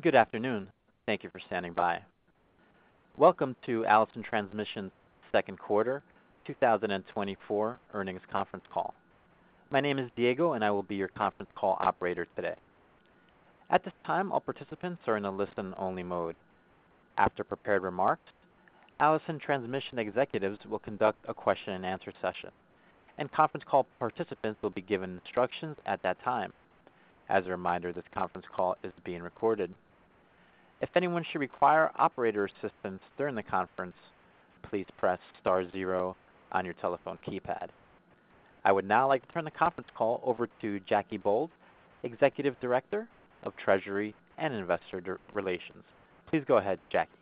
Good afternoon. Thank you for standing by. Welcome to Allison Transmission's second quarter 2024 earnings conference call. My name is Diego, and I will be your conference call operator today. At this time, all participants are in a listen-only mode. After prepared remarks, Allison Transmission executives will conduct a question-and-answer session, and conference call participants will be given instructions at that time. As a reminder, this conference call is being recorded. If anyone should require operator assistance during the conference, please press star zero on your telephone keypad. I would now like to turn the conference call over to Jackie Bolles, Executive Director of Treasury and Investor Relations. Please go ahead, Jackie.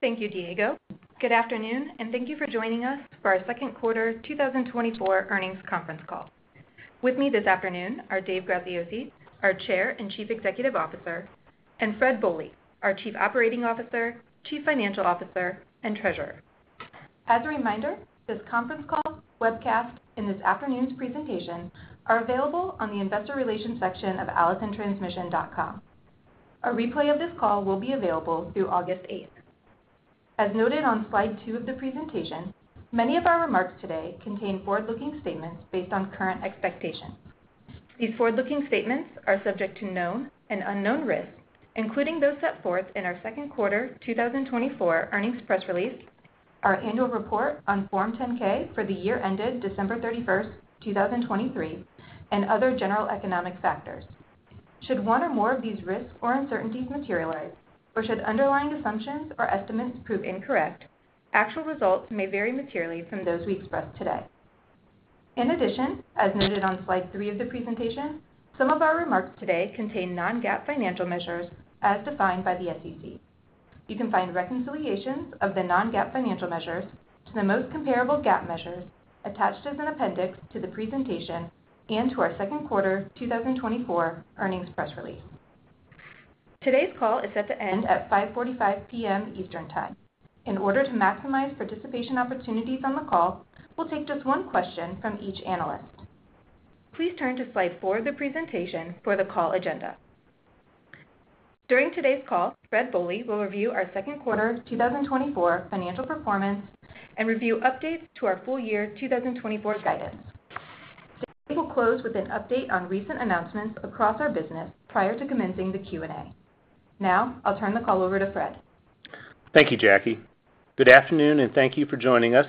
Thank you, Diego. Good afternoon, and thank you for joining us for our second quarter 2024 earnings conference call. With me this afternoon are Dave Graziosi, our Chair and Chief Executive Officer, and Fred Bohley, our Chief Operating Officer, Chief Financial Officer, and Treasurer. As a reminder, this conference call, webcast, and this afternoon's presentation are available on the investor relations section of allisontransmission.com. A replay of this call will be available through August 8. As noted on slide two of the presentation, many of our remarks today contain forward-looking statements based on current expectations. These forward-looking statements are subject to known and unknown risks, including those set forth in our second quarter 2024 earnings press release, our annual report on Form 10-K for the year ended December 31, 2023, and other general economic factors. Should one or more of these risks or uncertainties materialize, or should underlying assumptions or estimates prove incorrect, actual results may vary materially from those we express today. In addition, as noted on slide three of the presentation, some of our remarks today contain non-GAAP financial measures as defined by the SEC. You can find reconciliations of the non-GAAP financial measures to the most comparable GAAP measures attached as an appendix to the presentation and to our second quarter 2024 earnings press release. Today's call is set to end at 5:45 P.M. Eastern Time. In order to maximize participation opportunities on the call, we'll take just one question from each analyst. Please turn to slide four of the presentation for the call agenda. During today's call, Fred Bohley will review our second quarter 2024 financial performance and review updates to our full year 2024 guidance. We will close with an update on recent announcements across our business prior to commencing the Q&A. Now, I'll turn the call over to Fred. Thank you, Jackie. Good afternoon, and thank you for joining us.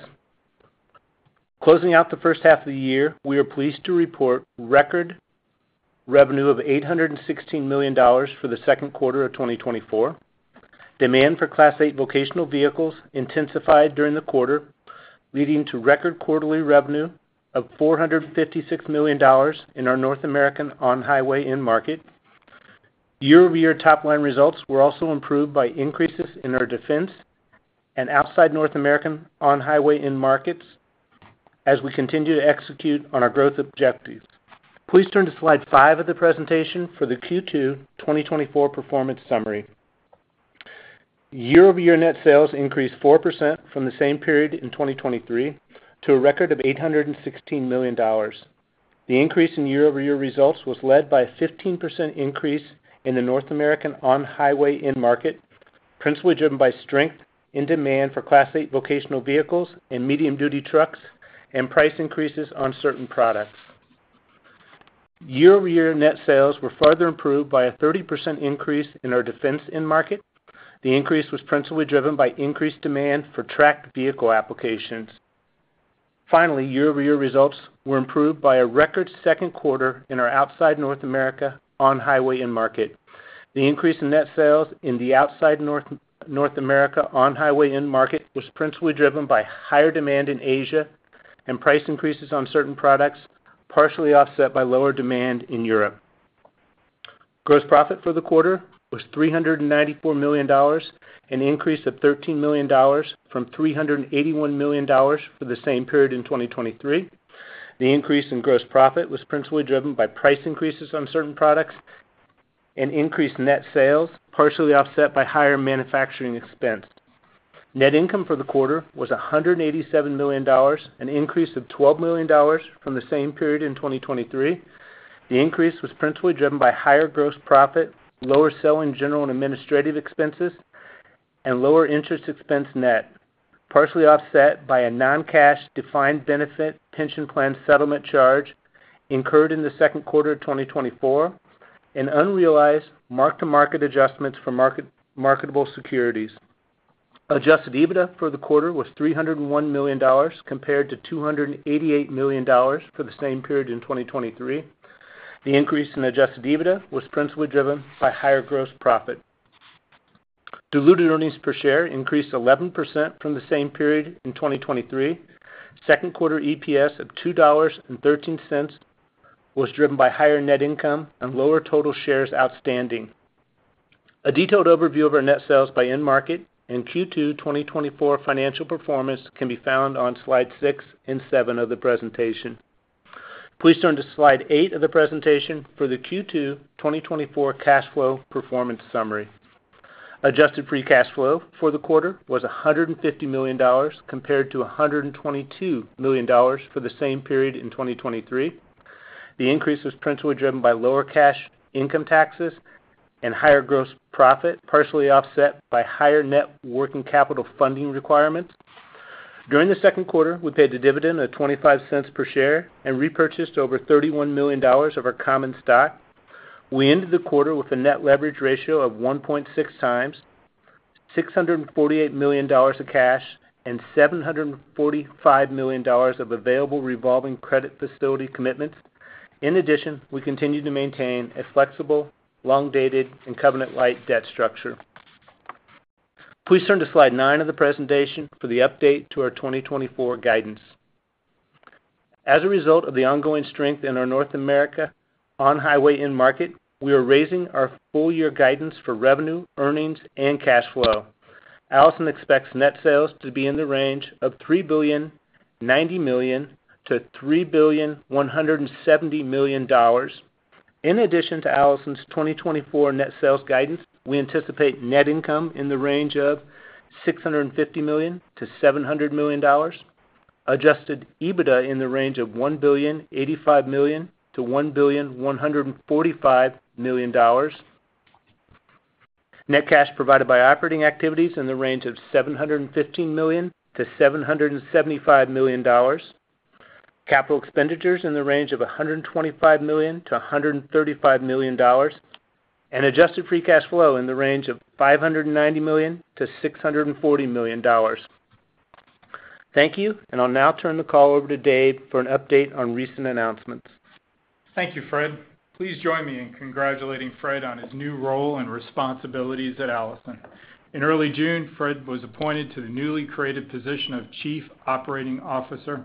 Closing out the first half of the year, we are pleased to report record revenue of $816 million for the second quarter of 2024. Demand for Class 8 vocational vehicles intensified during the quarter, leading to record quarterly revenue of $456 million in our North American on-highway end market. Year-over-year top-line results were also improved by increases in our defense and outside North American on-highway end markets as we continue to execute on our growth objectives. Please turn to slide 5 of the presentation for the Q2 2024 performance summary. Year-over-year net sales increased 4% from the same period in 2023 to a record of $816 million. The increase in year-over-year results was led by a 15% increase in the North America on-highway end market, principally driven by strength and demand for Class 8 vocational vehicles and medium-duty trucks and price increases on certain products. Year-over-year net sales were further improved by a 30% increase in our defense end market. The increase was principally driven by increased demand for tracked vehicle applications. Finally, year-over-year results were improved by a record second quarter in our outside North America on-highway end market. The increase in net sales in the outside North America on-highway end market was principally driven by higher demand in Asia and price increases on certain products, partially offset by lower demand in Europe. Gross profit for the quarter was $394 million, an increase of $13 million from $381 million for the same period in 2023. The increase in gross profit was principally driven by price increases on certain products and increased net sales, partially offset by higher manufacturing expense. Net income for the quarter was $187 million, an increase of $12 million from the same period in 2023. The increase was principally driven by higher gross profit, lower selling, general, and administrative expenses, and lower interest expense net, partially offset by a non-cash defined benefit pension plan settlement charge incurred in the second quarter of 2024, and unrealized mark-to-market adjustments for marketable securities. Adjusted EBITDA for the quarter was $301 million, compared to $288 million for the same period in 2023. The increase in adjusted EBITDA was principally driven by higher gross profit. Diluted earnings per share increased 11% from the same period in 2023. Second quarter EPS of $2.13 was driven by higher net income and lower total shares outstanding. A detailed overview of our net sales by end market and Q2 2024 financial performance can be found on slides 6 and 7 of the presentation. Please turn to slide 8 of the presentation for the Q2 2024 cash flow performance summary. Adjusted free cash flow for the quarter was $150 million, compared to $122 million for the same period in 2023. The increase was principally driven by lower cash income taxes and higher gross profit, partially offset by higher net working capital funding requirements. During the second quarter, we paid a dividend of $0.25 per share and repurchased over $31 million of our common stock. We ended the quarter with a net leverage ratio of 1.6x, $648 million of cash, and $745 million of available revolving credit facility commitments. In addition, we continued to maintain a flexible, long-dated, and covenant-light debt structure. Please turn to Slide 9 of the presentation for the update to our 2024 guidance. As a result of the ongoing strength in our North America on-highway end market, we are raising our full-year guidance for revenue, earnings, and cash flow. Allison expects net sales to be in the range of $3.09 billion-$3.17 billion. In addition to Allison's 2024 net sales guidance, we anticipate net income in the range of $650 million-$700 million, adjusted EBITDA in the range of $1.085 billion-$1.145 billion, net cash provided by operating activities in the range of $715 million-$775 million, capital expenditures in the range of $125 million-$135 million, and adjusted free cash flow in the range of $590 million-$640 million. Thank you, and I'll now turn the call over to Dave for an update on recent announcements. Thank you, Fred. Please join me in congratulating Fred on his new role and responsibilities at Allison. In early June, Fred was appointed to the newly created position of Chief Operating Officer.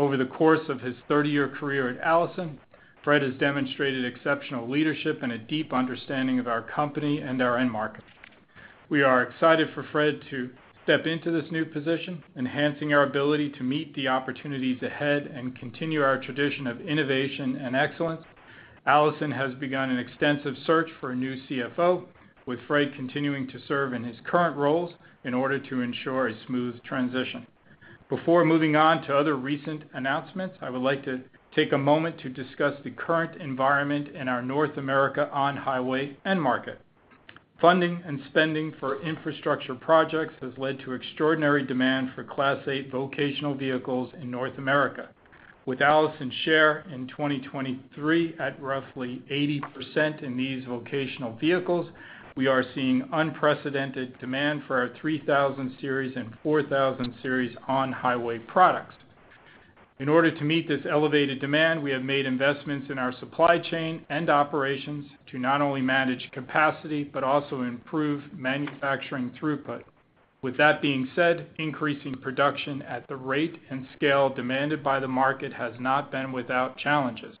Over the course of his 30-year career at Allison, Fred has demonstrated exceptional leadership and a deep understanding of our company and our end market. We are excited for Fred to step into this new position, enhancing our ability to meet the opportunities ahead and continue our tradition of innovation and excellence. Allison has begun an extensive search for a new CFO, with Fred continuing to serve in his current roles in order to ensure a smooth transition. Before moving on to other recent announcements, I would like to take a moment to discuss the current environment in our North America on-highway end market. Funding and spending for infrastructure projects has led to extraordinary demand for Class 8 vocational vehicles in North America. With Allison's share in 2023 at roughly 80% in these vocational vehicles, we are seeing unprecedented demand for our 3000 Series and 4000 Series on-highway products. In order to meet this elevated demand, we have made investments in our supply chain and operations to not only manage capacity, but also improve manufacturing throughput. With that being said, increasing production at the rate and scale demanded by the market has not been without challenges.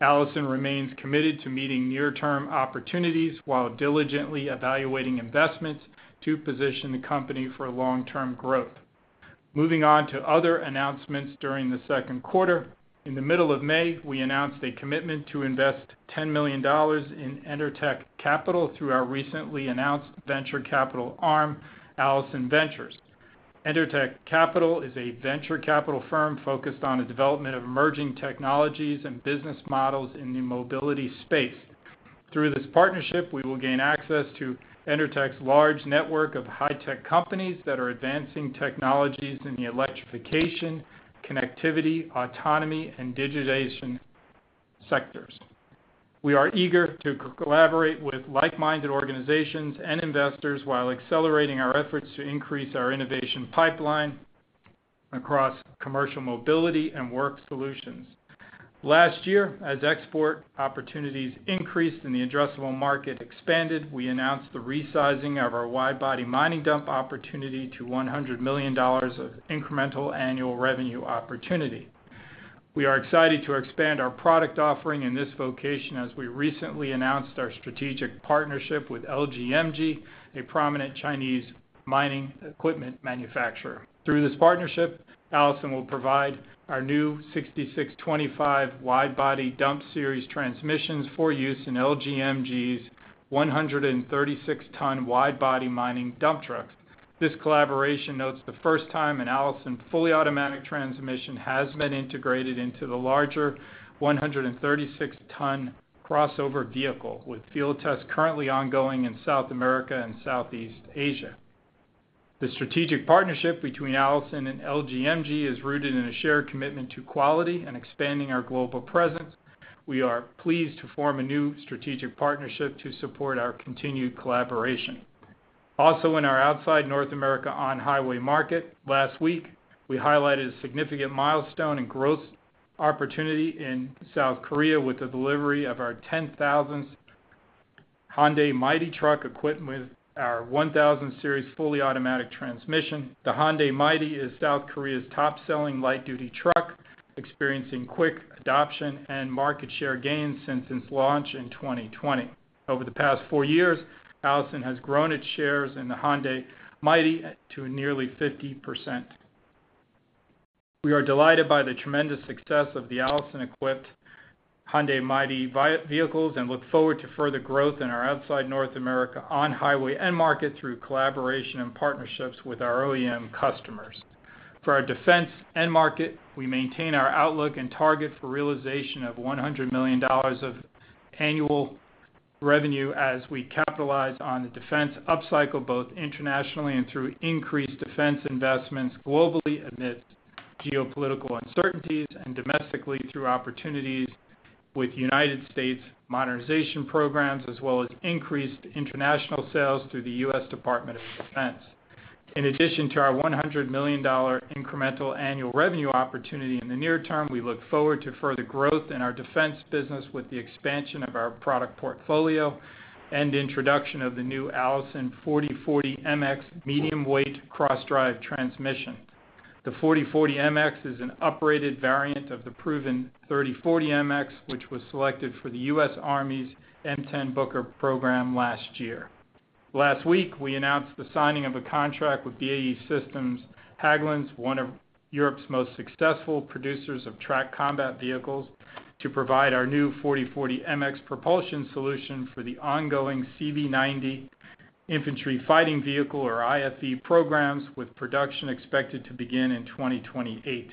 Allison remains committed to meeting near-term opportunities while diligently evaluating investments to position the company for long-term growth. Moving on to other announcements during the second quarter. In the middle of May, we announced a commitment to invest $10 million in EnerTech Capital through our recently announced venture capital arm, Allison Ventures. EnerTech Capital is a venture capital firm focused on the development of emerging technologies and business models in the mobility space. Through this partnership, we will gain access to EnerTech's large network of high-tech companies that are advancing technologies in the electrification, connectivity, autonomy, and digitization sectors. We are eager to collaborate with like-minded organizations and investors while accelerating our efforts to increase our innovation pipeline across commercial mobility and work solutions. Last year, as export opportunities increased and the addressable market expanded, we announced the resizing of our wide-body mining dump opportunity to $100 million of incremental annual revenue opportunity. We are excited to expand our product offering in this vocation, as we recently announced our strategic partnership with LGMG, a prominent Chinese mining equipment manufacturer. Through this partnership, Allison will provide our new 6625 Wide Body Dump Series transmissions for use in LGMG's 136-ton wide-body mining dump trucks. This collaboration notes the first time an Allison fully automatic transmission has been integrated into the larger 136-ton crossover vehicle, with field tests currently ongoing in South America and Southeast Asia. The strategic partnership between Allison and LGMG is rooted in a shared commitment to quality and expanding our global presence. We are pleased to form a new strategic partnership to support our continued collaboration. Also, in our outside North America on-highway market, last week, we highlighted a significant milestone and growth opportunity in South Korea with the delivery of our 10,000th Hyundai Mighty truck, equipped with our 1000 Series fully automatic transmission. The Hyundai Mighty is South Korea's top-selling light-duty truck, experiencing quick adoption and market share gains since its launch in 2020. Over the past 4 years, Allison has grown its shares in the Hyundai Mighty to nearly 50%.... We are delighted by the tremendous success of the Allison-equipped Hyundai Mighty vehicles and look forward to further growth in our outside North America on-highway end market through collaboration and partnerships with our OEM customers. For our defense end market, we maintain our outlook and target for realization of $100 million of annual revenue as we capitalize on the defense upcycle, both internationally and through increased defense investments globally, amidst geopolitical uncertainties and domestically through opportunities with United States modernization programs, as well as increased international sales through the US Department of Defense. In addition to our $100 million incremental annual revenue opportunity in the near term, we look forward to further growth in our defense business with the expansion of our product portfolio and the introduction of the new Allison 4040 MX medium weight cross-drive transmission. The 4040 MX is an uprated variant of the proven 3040 MX, which was selected for the U.S. Army's M10 Booker program last year. Last week, we announced the signing of a contract with BAE Systems Hägglunds, one of Europe's most successful producers of tracked combat vehicles, to provide our new 4040 MX propulsion solution for the ongoing CV90 infantry fighting vehicle or IFV programs, with production expected to begin in 2028.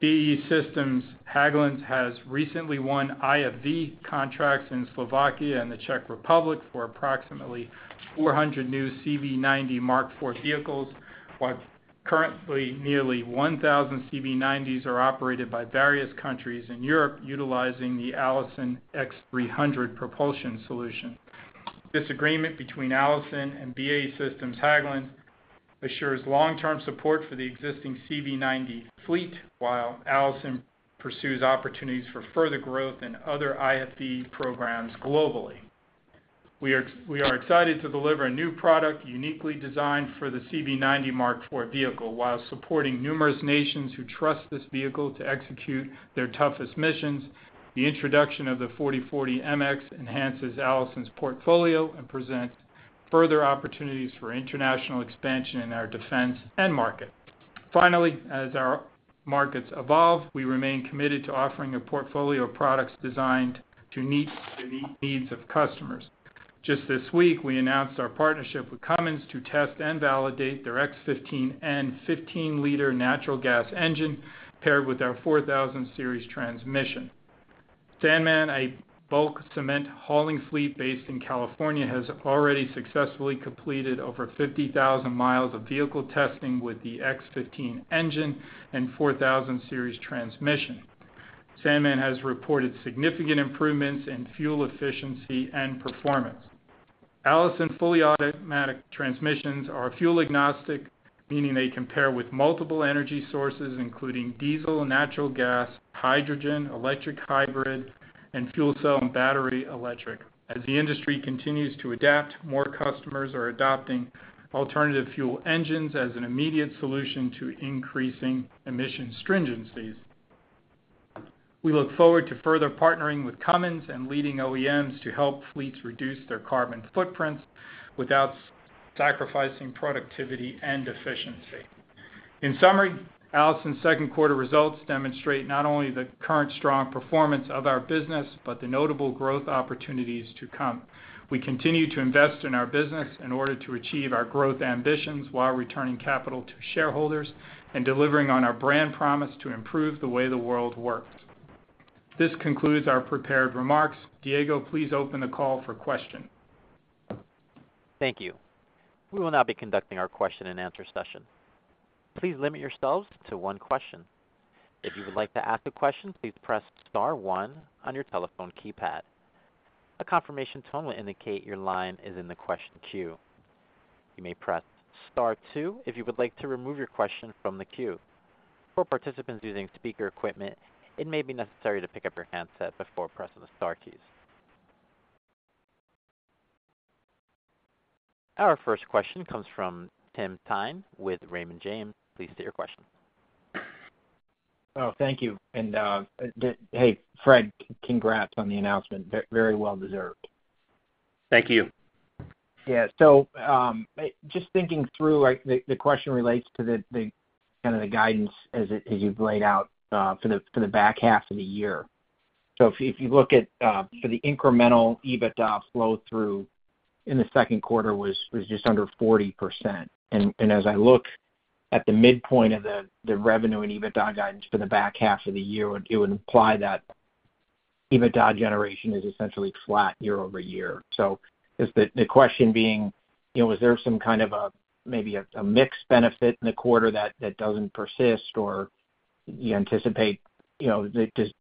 BAE Systems Hägglunds has recently won IFV contracts in Slovakia and the Czech Republic for approximately 400 new CV90 Mark IV vehicles, while currently, nearly 1,000 CV90s are operated by various countries in Europe, utilizing the Allison X300 propulsion solution. This agreement between Allison and BAE Systems Hägglunds assures long-term support for the existing CV90 fleet, while Allison pursues opportunities for further growth in other IFV programs globally. We are excited to deliver a new product uniquely designed for the CV90 Mark IV vehicle, while supporting numerous nations who trust this vehicle to execute their toughest missions. The introduction of the 4040 MX enhances Allison's portfolio and presents further opportunities for international expansion in our defense end market. Finally, as our markets evolve, we remain committed to offering a portfolio of products designed to meet the needs of customers. Just this week, we announced our partnership with Cummins to test and validate their X15N 15-liter natural gas engine, paired with our 4000 Series transmission. Sandman, a bulk cement hauling fleet based in California, has already successfully completed over 50,000 miles of vehicle testing with the X15 engine and 4000 Series transmission. Sandman has reported significant improvements in fuel efficiency and performance. Allison fully automatic transmissions are fuel agnostic, meaning they compare with multiple energy sources, including diesel, natural gas, hydrogen, electric, hybrid, and fuel cell and battery electric. As the industry continues to adapt, more customers are adopting alternative fuel engines as an immediate solution to increasing emission stringencies. We look forward to further partnering with Cummins and leading OEMs to help fleets reduce their carbon footprints without sacrificing productivity and efficiency. In summary, Allison's second quarter results demonstrate not only the current strong performance of our business, but the notable growth opportunities to come. We continue to invest in our business in order to achieve our growth ambitions while returning capital to shareholders and delivering on our brand promise to improve the way the world works. This concludes our prepared remarks. Diego, please open the call for question. Thank you. We will now be conducting our question-and-answer session. Please limit yourselves to one question. If you would like to ask a question, please press star one on your telephone keypad. A confirmation tone will indicate your line is in the question queue. You may press star two if you would like to remove your question from the queue. For participants using speaker equipment, it may be necessary to pick up your handset before pressing the star keys. Our first question comes from Tim Thein with Raymond James. Please state your question. Oh, thank you. And, hey, Fred, congrats on the announcement. Very well deserved. Thank you. Yeah. So, just thinking through, like, the question relates to the kind of the guidance as it—as you've laid out for the back half of the year. So if you look at for the incremental EBITDA flow through in the second quarter was just under 40%. And as I look at the midpoint of the revenue and EBITDA guidance for the back half of the year, it would imply that EBITDA generation is essentially flat year-over-year. So is the question being, you know, is there some kind of a, maybe a mixed benefit in the quarter that doesn't persist? Or you anticipate, you know,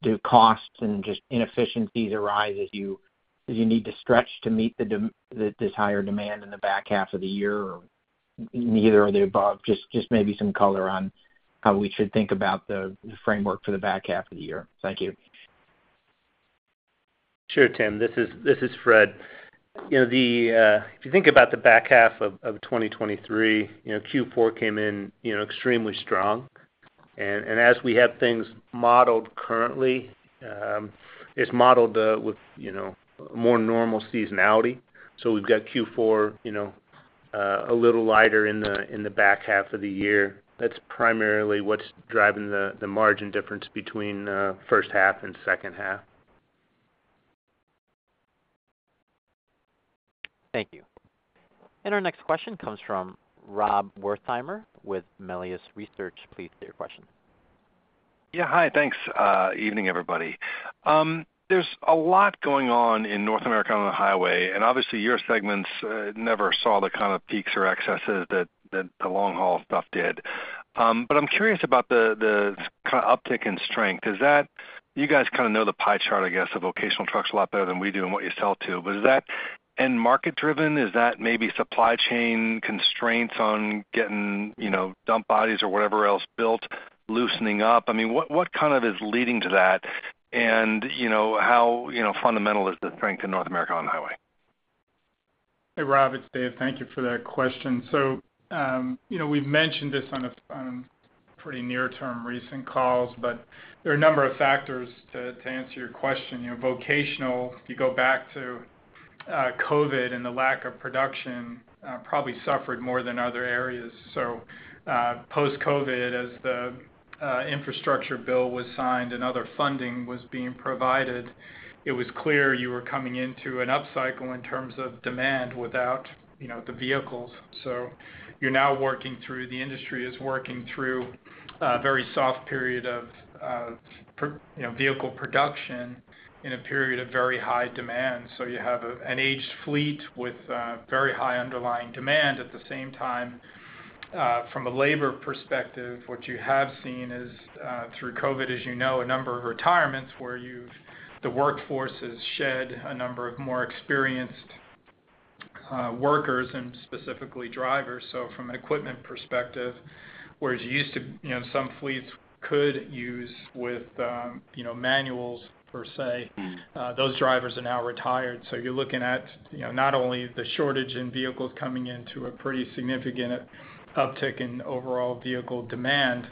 do costs and just inefficiencies arise as you need to stretch to meet this higher demand in the back half of the year? Or neither of the above. Just, just maybe some color on how we should think about the, the framework for the back half of the year. Thank you. Sure, Tim. This is Fred. You know, if you think about the back half of 2023, you know, Q4 came in, you know, extremely strong. And as we have things modeled currently, it's modeled with, you know, more normal seasonality. So we've got Q4, you know, a little lighter in the back half of the year. That's primarily what's driving the margin difference between first half and second half. Thank you. Our next question comes from Rob Wertheimer with Melius Research. Please state your question. Yeah, hi, thanks. Evening, everybody. There's a lot going on in North America on the highway, and obviously, your segments never saw the kind of peaks or excesses that the long-haul stuff did. But I'm curious about the kinda uptick in strength. Is that you guys kinda know the pie chart, I guess, of vocational trucks a lot better than we do and what you sell to, but is that end market-driven? Is that maybe supply chain constraints on getting, you know, dump bodies or whatever else built, loosening up? I mean, what kind is leading to that? And, you know, how fundamental is the strength in North America on highway? Hey, Rob, it's Dave. Thank you for that question. So, you know, we've mentioned this on pretty near-term recent calls, but there are a number of factors to answer your question. You know, vocational, if you go back to COVID, and the lack of production probably suffered more than other areas. So, post-COVID, as the infrastructure bill was signed and other funding was being provided, it was clear you were coming into an upcycle in terms of demand without, you know, the vehicles. So you're now working through the industry is working through very soft period of you know, vehicle production in a period of very high demand. So you have an aged fleet with very high underlying demand. At the same time, from a labor perspective, what you have seen is, through COVID, as you know, a number of retirements where you've—the workforce has shed a number of more experienced workers and specifically drivers. So from an equipment perspective, whereas you used to, you know, some fleets could use with, you know, manuals per se- Those drivers are now retired. So you're looking at, you know, not only the shortage in vehicles coming in to a pretty significant uptick in overall vehicle demand,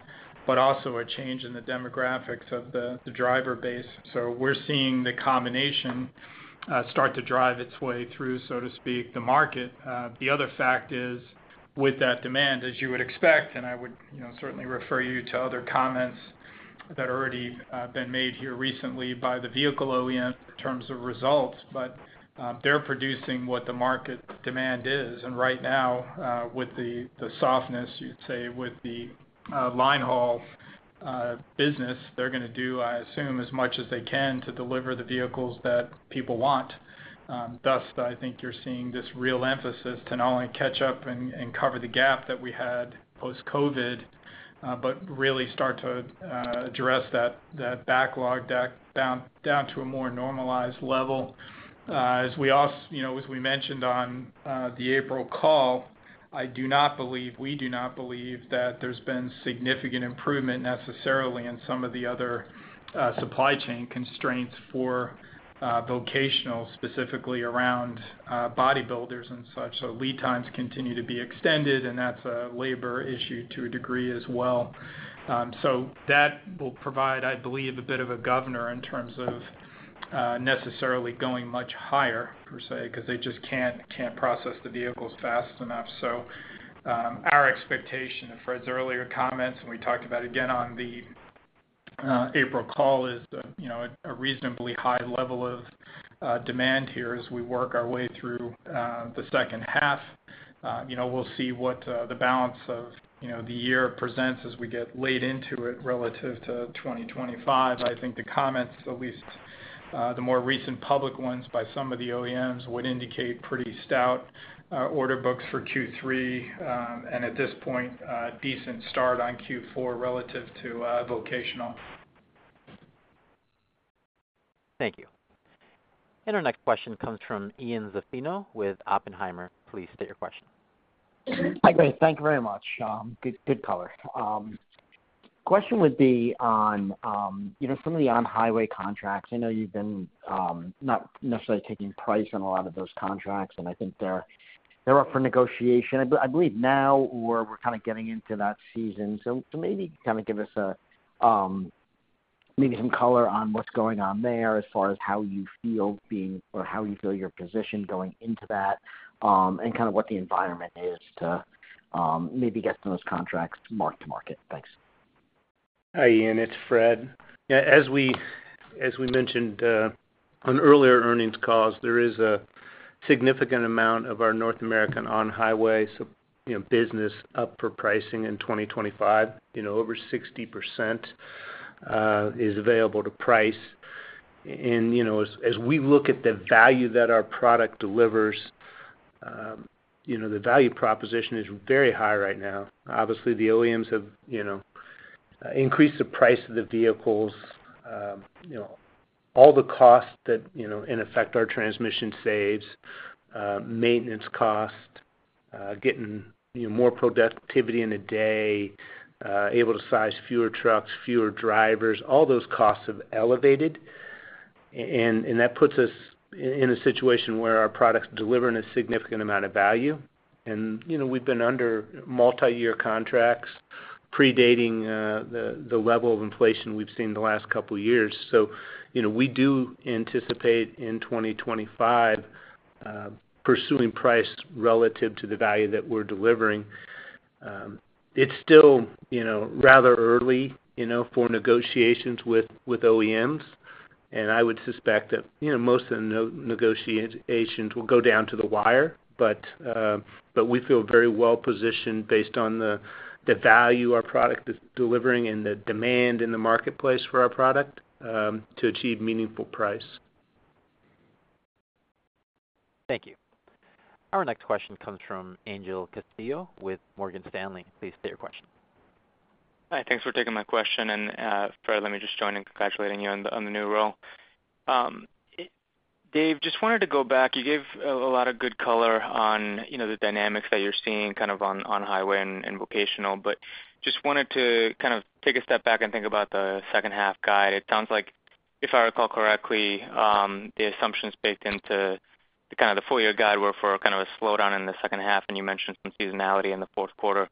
but also a change in the demographics of the driver base. So we're seeing the combination start to drive its way through, so to speak, the market. The other fact is, with that demand, as you would expect, and I would, you know, certainly refer you to other comments that already been made here recently by the vehicle OEM in terms of results, but they're producing what the market demand is. And right now, with the softness, you'd say with the line haul business, they're gonna do, I assume, as much as they can to deliver the vehicles that people want. Thus, I think you're seeing this real emphasis to not only catch up and cover the gap that we had post-COVID, but really start to address that backlog back down to a more normalized level. As we, you know, as we mentioned on the April call, I do not believe, we do not believe, that there's been significant improvement necessarily in some of the other supply chain constraints for vocational, specifically around bodybuilders and such. So lead times continue to be extended, and that's a labor issue to a degree as well. So that will provide, I believe, a bit of a governor in terms of necessarily going much higher, per se, 'cause they just can't process the vehicles fast enough. So, our expectation, and Fred's earlier comments, and we talked about again on the April call, is, you know, a reasonably high level of demand here as we work our way through the second half. You know, we'll see what the balance of, you know, the year presents as we get laid into it relative to 2025. I think the comments, at least, the more recent public ones by some of the OEMs, would indicate pretty stout order books for Q3, and at this point, a decent start on Q4 relative to vocational. Thank you. Our next question comes from Ian Zaffino with Oppenheimer. Please state your question. Hi, great. Thank you very much. Good, good color. Question would be on, you know, some of the on-highway contracts. I know you've been not necessarily taking price on a lot of those contracts, and I think they're up for negotiation. But I believe now we're kinda getting into that season. So maybe kinda give us a maybe some color on what's going on there, as far as how you feel or how you feel your position going into that, and kind of what the environment is to maybe get some of those contracts mark to market. Thanks. Hi, Ian, it's Fred. Yeah, as we, as we mentioned, on earlier earnings calls, there is a significant amount of our North American on-highway, so, you know, business up for pricing in 2025. You know, over 60%, is available to price. And, you know, as, as we look at the value that our product delivers, you know, the value proposition is very high right now. Obviously, the OEMs have, you know, increased the price of the vehicles. You know, all the costs that, you know, in effect, our transmission saves, maintenance cost, getting, you know, more productivity in a day, able to size fewer trucks, fewer drivers, all those costs have elevated. And, and that puts us in a situation where our products delivering a significant amount of value. And, you know, we've been under multi-year contracts. ...predating the level of inflation we've seen the last couple years. So, you know, we do anticipate in 2025 pursuing price relative to the value that we're delivering. It's still, you know, rather early, you know, for negotiations with OEMs, and I would suspect that, you know, most of the negotiations will go down to the wire. But we feel very well positioned based on the value our product is delivering and the demand in the marketplace for our product to achieve meaningful price. Thank you. Our next question comes from Angel Castillo with Morgan Stanley. Please state your question. Hi, thanks for taking my question, and Fred, let me just join in congratulating you on the new role. Dave, just wanted to go back. You gave a lot of good color on, you know, the dynamics that you're seeing kind of on highway and vocational, but just wanted to kind of take a step back and think about the second half guide. It sounds like, if I recall correctly, the assumptions baked into the kind of the full year guide were for kind of a slowdown in the second half, and you mentioned some seasonality in the fourth quarter.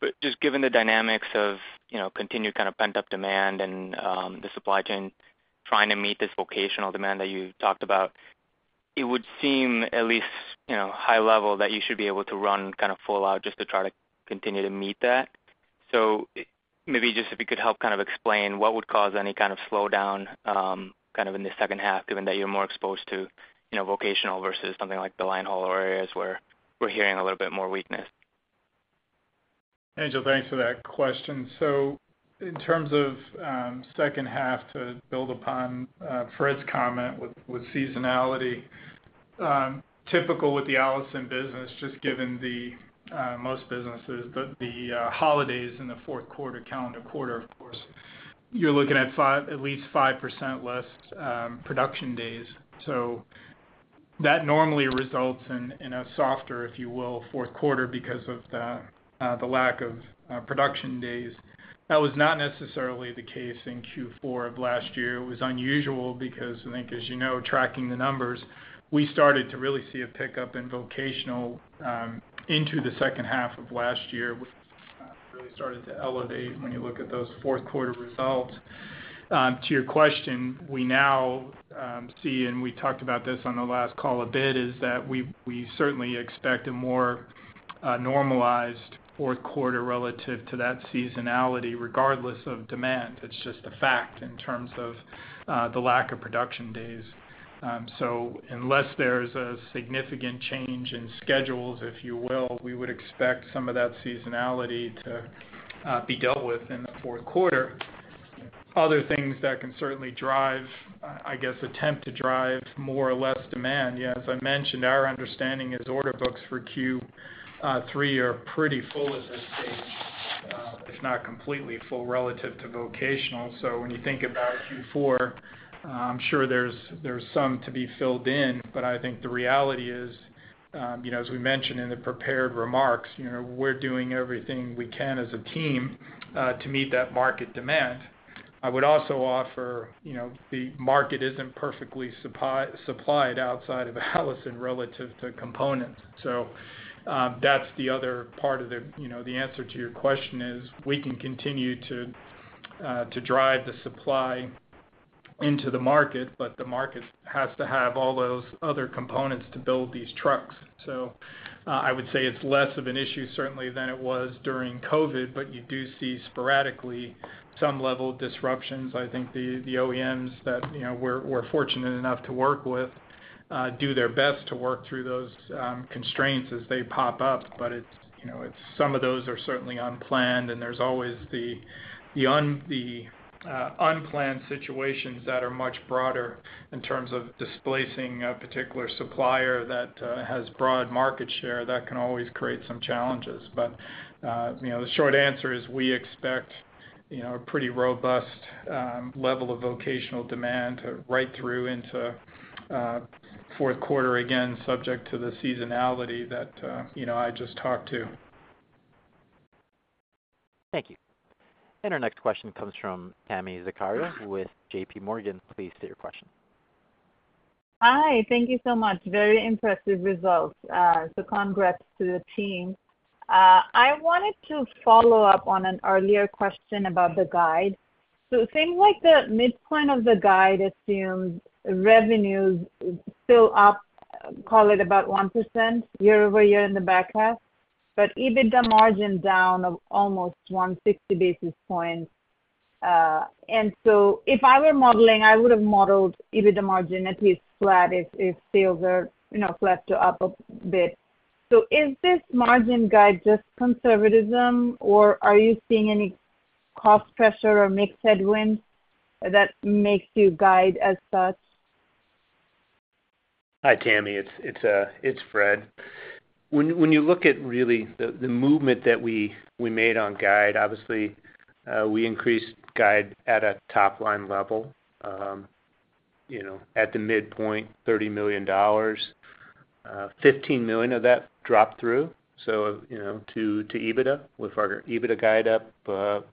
But just given the dynamics of, you know, continued kind of pent-up demand and, the supply chain trying to meet this vocational demand that you talked about, it would seem at least, you know, high level, that you should be able to run kind of full out just to try to continue to meet that. So maybe just if you could help kind of explain what would cause any kind of slowdown, kind of in the second half, given that you're more exposed to, you know, vocational versus something like the linehaul or areas where we're hearing a little bit more weakness? Angel, thanks for that question. So in terms of second half, to build upon Fred's comment with seasonality, typical with the Allison business, just given the most businesses, but the holidays in the fourth quarter, calendar quarter, of course, you're looking at at least 5% less production days. So that normally results in a softer, if you will, fourth quarter because of the lack of production days. That was not necessarily the case in Q4 of last year. It was unusual because I think, as you know, tracking the numbers, we started to really see a pickup in vocational into the second half of last year, which really started to elevate when you look at those fourth quarter results. To your question, we now see, and we talked about this on the last call a bit, is that we certainly expect a more normalized fourth quarter relative to that seasonality, regardless of demand. It's just a fact in terms of the lack of production days. So unless there's a significant change in schedules, if you will, we would expect some of that seasonality to be dealt with in the fourth quarter. Other things that can certainly drive, I guess, attempt to drive more or less demand, yeah, as I mentioned, our understanding is order books for Q3 are pretty full at this stage, if not completely full relative to vocational. So when you think about Q4, I'm sure there's some to be filled in, but I think the reality is, you know, as we mentioned in the prepared remarks, you know, we're doing everything we can as a team to meet that market demand. I would also offer, you know, the market isn't perfectly supplied outside of Allison relative to components. So, that's the other part of the, you know, the answer to your question is, we can continue to drive the supply into the market, but the market has to have all those other components to build these trucks. So, I would say it's less of an issue certainly than it was during COVID, but you do see sporadically some level of disruptions. I think the OEMs that, you know, we're fortunate enough to work with do their best to work through those constraints as they pop up. But it's, you know, it's some of those are certainly unplanned, and there's always the unplanned situations that are much broader in terms of displacing a particular supplier that has broad market share, that can always create some challenges. But, you know, the short answer is, we expect, you know, a pretty robust level of vocational demand right through into fourth quarter, again, subject to the seasonality that, you know, I just talked to. Thank you. Our next question comes from Tami Zakaria with JP Morgan. Please state your question. Hi, thank you so much. Very impressive results. So congrats to the team. I wanted to follow up on an earlier question about the guide. So it seems like the midpoint of the guide assumes revenues still up, call it about 1% year-over-year in the back half, but EBITDA margin down of almost 160 basis points. And so if I were modeling, I would have modeled EBITDA margin at least flat if, if sales are, you know, flat to up a bit. So is this margin guide just conservatism, or are you seeing any cost pressure or mixed headwinds that makes you guide as such? Hi, Tami. It's Fred. When you look at really the movement that we made on guide, obviously, we increased guide at a top-line level. You know, at the midpoint, $30 million, $15 million of that dropped through, so, you know, to EBITDA, with our EBITDA guide up $15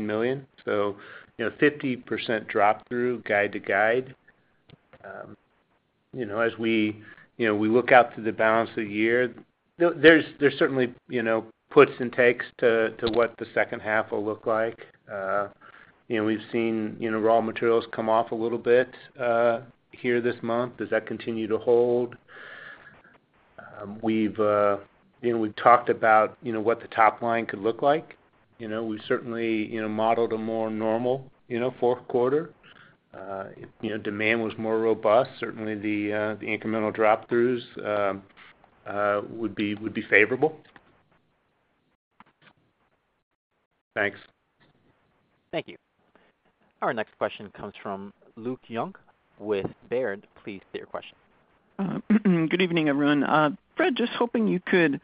million. So, you know, 50% drop through guide to guide. You know, as we look out to the balance of the year, there's certainly puts and takes to what the second half will look like. You know, we've seen raw materials come off a little bit here this month. Does that continue to hold? We've talked about what the top line could look like. You know, we certainly, you know, modeled a more normal, you know, fourth quarter. If, you know, demand was more robust, certainly the incremental drop-throughs would be favorable. Thanks. Thank you. Our next question comes from Luke Young with Baird. Please state your question. Good evening, everyone. Fred, just hoping you could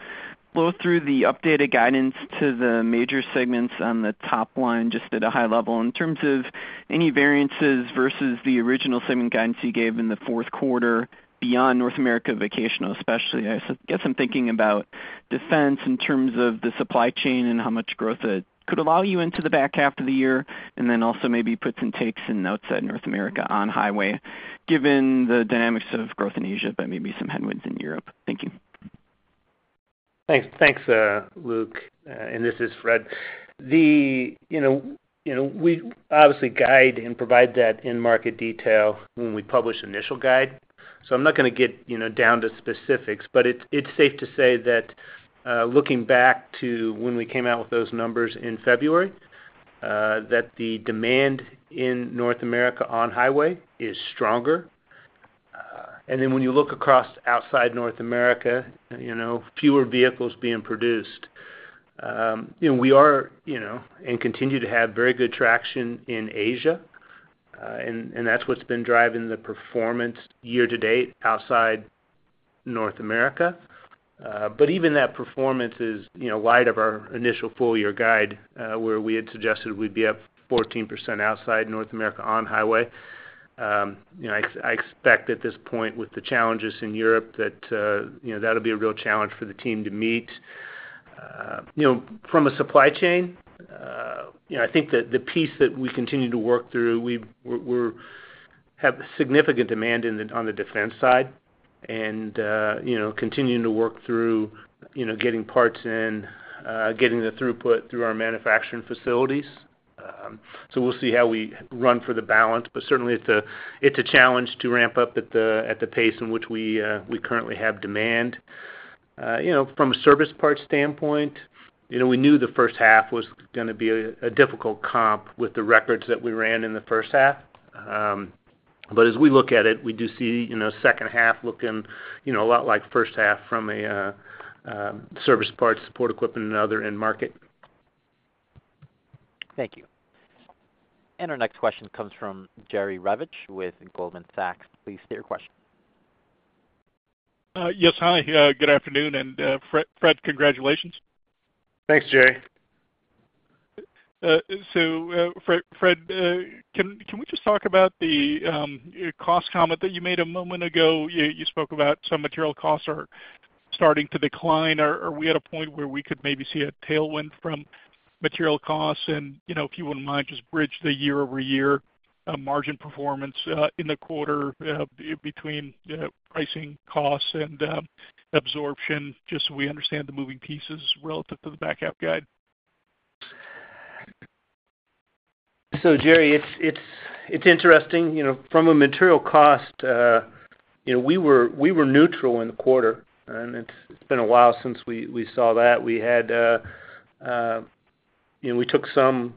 go through the updated guidance to the major segments on the top line, just at a high level, in terms of any variances versus the original segment guidance you gave in the fourth quarter beyond North America Vocational, especially. I guess I'm thinking about defense in terms of the supply chain and how much growth it could allow you into the back half of the year, and then also maybe puts and takes in outside North America on highway, given the dynamics of growth in Asia, but maybe some headwinds in Europe. Thank you. Thanks. Thanks, Luke, and this is Fred. You know, we obviously guide and provide that end market detail when we publish initial guide, so I'm not gonna get, you know, down to specifics. But it's safe to say that, looking back to when we came out with those numbers in February, that the demand in North America on-highway is stronger. And then when you look across outside North America, you know, fewer vehicles being produced. You know, we are, you know, and continue to have very good traction in Asia, and that's what's been driving the performance year to date outside North America. But even that performance is, you know, in light of our initial full year guide, where we had suggested we'd be up 14% outside North America on-highway. You know, I expect at this point with the challenges in Europe, that, you know, that'll be a real challenge for the team to meet. You know, from a supply chain, you know, I think that the piece that we continue to work through, we have significant demand in the, on the defense side and, you know, continuing to work through, you know, getting parts in, getting the throughput through our manufacturing facilities. So we'll see how we run for the balance, but certainly, it's a challenge to ramp up at the pace in which we, we currently have demand. You know, from a service parts standpoint, you know, we knew the first half was gonna be a difficult comp with the records that we ran in the first half. But as we look at it, we do see, you know, second half looking, you know, a lot like first half from a service parts, support equipment, and other end market. Thank you. Our next question comes from Jerry Revich with Goldman Sachs. Please state your question. Yes, hi. Good afternoon, and Fred, congratulations. Thanks, Jerry. So, Fred, Fred, can, can we just talk about the cost comment that you made a moment ago? You, you spoke about some material costs are starting to decline. Are, are we at a point where we could maybe see a tailwind from material costs? And, you know, if you wouldn't mind, just bridge the year-over-year margin performance in the quarter between pricing costs and absorption, just so we understand the moving pieces relative to the back half guide. So, Jerry, it's interesting, you know, from a material cost, you know, we were neutral in the quarter, and it's been a while since we saw that. We had, you know, we took some,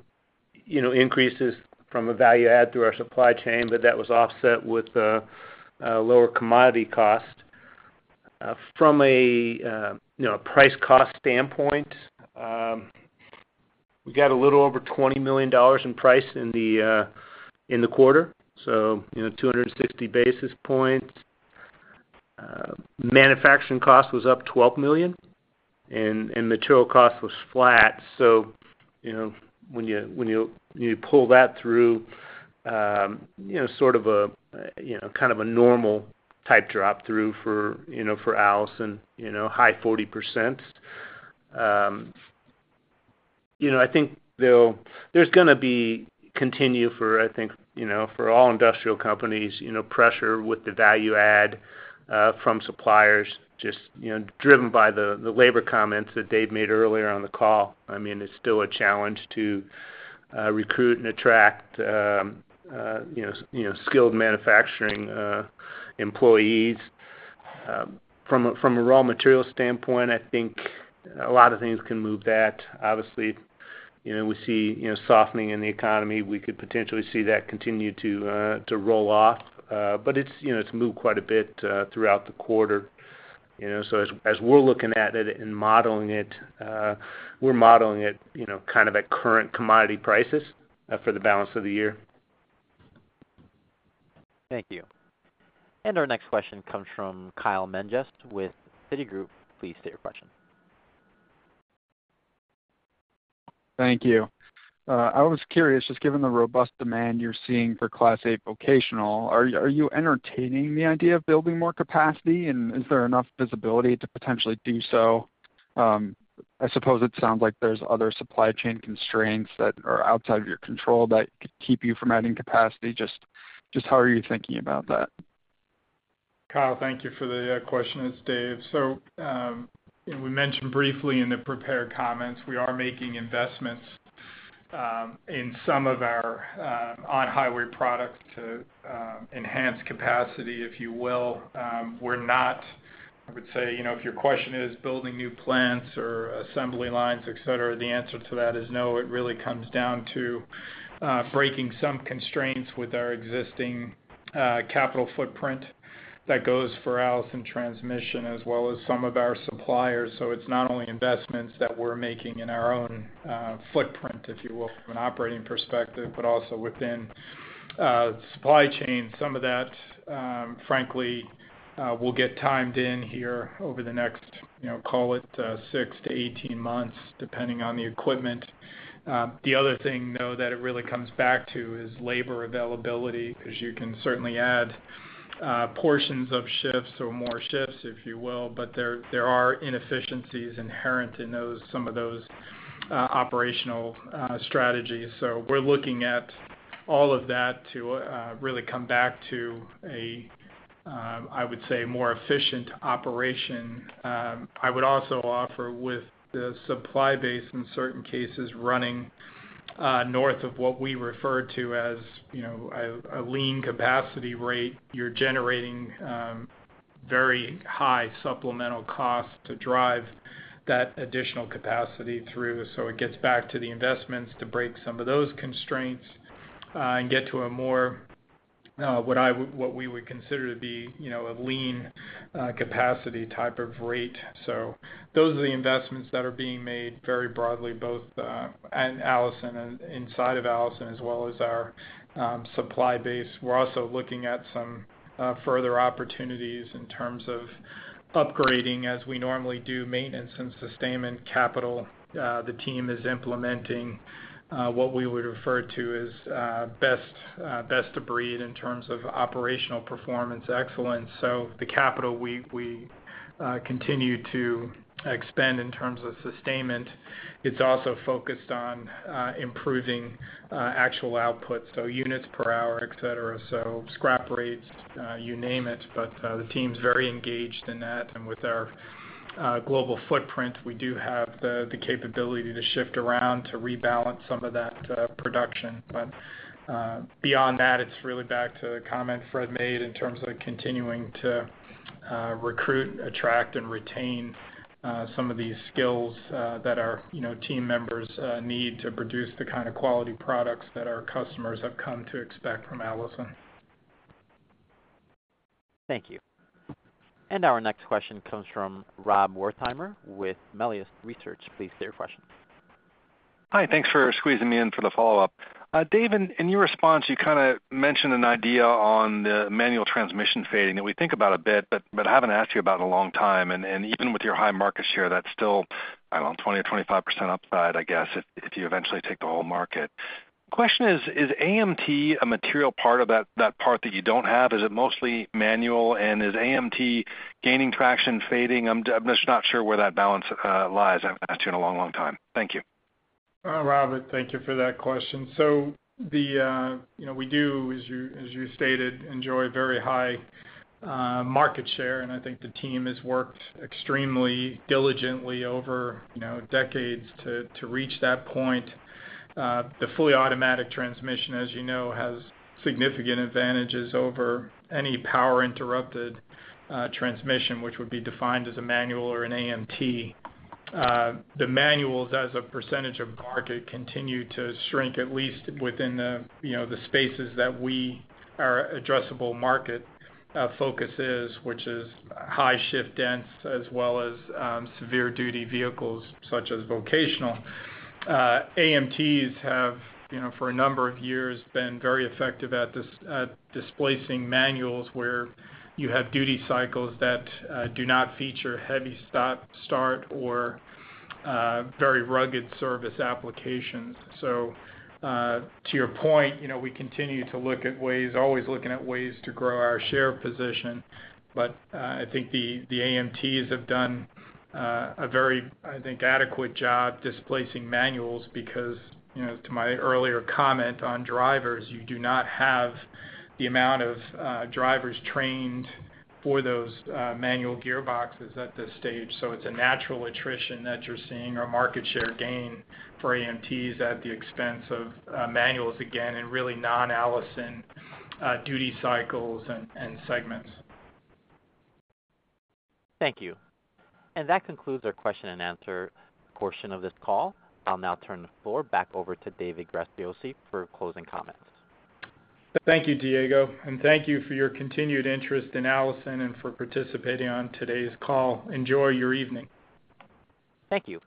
you know, increases from a value add through our supply chain, but that was offset with lower commodity cost. From a, you know, a price cost standpoint, we got a little over $20 million in price in the quarter, so, you know, 260 basis points. Manufacturing cost was up $12 million, and material cost was flat. So, you know, when you pull that through, you know, sort of a kind of a normal type drop-through for, you know, for Allison, you know, high 40%. You know, I think there'll be continued pressure for all industrial companies, you know, with the value add from suppliers, just driven by the labor comments that Dave made earlier on the call. I mean, it's still a challenge to recruit and attract, you know, skilled manufacturing employees. From a raw material standpoint, I think a lot of things can move that. Obviously, you know, we see softening in the economy. We could potentially see that continue to roll off. But it's, you know, it's moved quite a bit throughout the quarter, you know. So as we're looking at it and modeling it, we're modeling it, you know, kind of at current commodity prices, for the balance of the year. Thank you. Our next question comes from Kyle Menges with Citigroup. Please state your question. Thank you. I was curious, just given the robust demand you're seeing for Class 8 Vocational, are you entertaining the idea of building more capacity, and is there enough visibility to potentially do so? I suppose it sounds like there's other supply chain constraints that are outside of your control that could keep you from adding capacity. Just how are you thinking about that? Kyle, thank you for the question. It's Dave. So, we mentioned briefly in the prepared comments, we are making investments in some of our on-highway products to enhance capacity, if you will. We're not, I would say, you know, if your question is building new plants or assembly lines, et cetera, the answer to that is no. It really comes down to breaking some constraints with our existing capital footprint that goes for Allison Transmission, as well as some of our suppliers. So it's not only investments that we're making in our own footprint, if you will, from an operating perspective, but also within supply chain. Some of that, frankly, will get timed in here over the next, you know, call it, 6-18 months, depending on the equipment. The other thing, though, that it really comes back to is labor availability, 'cause you can certainly add portions of shifts or more shifts, if you will, but there are inefficiencies inherent in those, some of those operational strategies. So we're looking at all of that to really come back to a, I would say, more efficient operation. I would also offer with the supply base, in certain cases, running north of what we refer to as, you know, a lean capacity rate, you're generating very high supplemental costs to drive that additional capacity through. So it gets back to the investments to break some of those constraints and get to a more, what I would- what we would consider to be, you know, a lean capacity type of rate. So those are the investments that are being made very broadly, both at Allison and inside of Allison, as well as our supply base. We're also looking at some further opportunities in terms of upgrading as we normally do maintenance and sustainment capital. The team is implementing what we would refer to as best of breed in terms of operational performance excellence. So the capital we continue to expend in terms of sustainment, it's also focused on improving actual output, so units per hour, et cetera. So scrap rates, you name it, but the team's very engaged in that. And with our global footprint, we do have the capability to shift around to rebalance some of that production. beyond that, it's really back to the comment Fred made in terms of continuing to recruit, attract, and retain some of these skills that our, you know, team members need to produce the kind of quality products that our customers have come to expect from Allison. Thank you. And our next question comes from Rob Wertheimer with Melius Research. Please state your question. Hi, thanks for squeezing me in for the follow-up. Dave, in your response, you kind of mentioned an idea on the manual transmission fading that we think about a bit, but I haven't asked you about in a long time. And even with your high market share, that's still, I don't know, 20 or 25% upside, I guess, if you eventually take the whole market. Question is, is AMT a material part of that part that you don't have? Is it mostly manual, and is AMT gaining traction, fading? I'm just not sure where that balance lies. I haven't asked you in a long, long time. Thank you. Robert, thank you for that question. So the, you know, we do, as you stated, enjoy very high market share, and I think the team has worked extremely diligently over, you know, decades to reach that point. The fully automatic transmission, as you know, has significant advantages over any power-interrupted transmission, which would be defined as a manual or an AMT. The manuals, as a percentage of market, continue to shrink, at least within the, you know, the spaces that our addressable market focus is, which is high shift dense, as well as severe duty vehicles, such as vocational. AMTs have, you know, for a number of years, been very effective at displacing manuals, where you have duty cycles that do not feature heavy stop-start, or very rugged service applications. So, to your point, you know, we continue to look at ways, always looking at ways to grow our share position. But, I think the, the AMTs have done, a very, I think, adequate job displacing manuals because, you know, to my earlier comment on drivers, you do not have the amount of, drivers trained for those, manual gearboxes at this stage. So it's a natural attrition that you're seeing, or market share gain for AMTs at the expense of, manuals, again, in really non-Allison, duty cycles and, and segments. Thank you. That concludes our question and answer portion of this call. I'll now turn the floor back over to David Graziosi for closing comments. Thank you, Diego, and thank you for your continued interest in Allison and for participating on today's call. Enjoy your evening. Thank you.